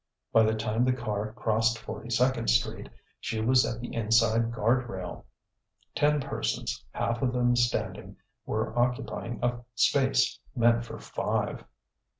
By the time the car crossed Forty second Street, she was at the inside guard rail: ten persons, half of them standing, were occupying a space meant for five.